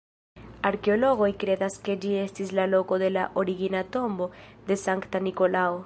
Arkeologoj kredas ke ĝi estis la loko de la origina tombo de Sankta Nikolao.